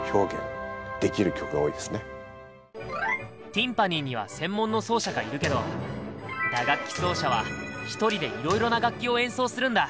ティンパニーには専門の奏者がいるけど打楽器奏者は１人でいろいろな楽器を演奏するんだ。